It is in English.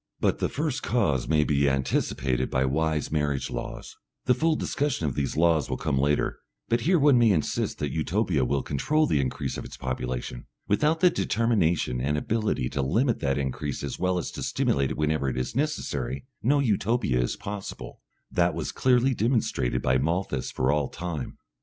But the first cause may be anticipated by wise marriage laws.... The full discussion of these laws will come later, but here one may insist that Utopia will control the increase of its population. Without the determination and ability to limit that increase as well as to stimulate it whenever it is necessary, no Utopia is possible. That was clearly demonstrated by Malthus for all time.